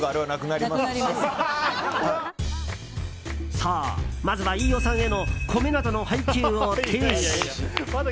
そう、まずは飯尾さんへの米などの配給を停止。